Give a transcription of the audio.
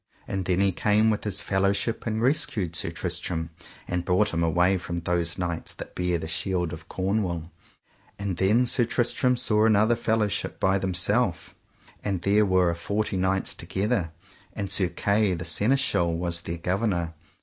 And then he came with his fellowship and rescued Sir Tristram, and brought him away from those knights that bare the shields of Cornwall. And then Sir Tristram saw another fellowship by themself, and there were a forty knights together, and Sir Kay, the Seneschal, was their governor.